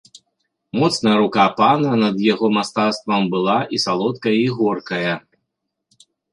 Моцная рука пана над яго мастацтвам была і салодкая і горкая.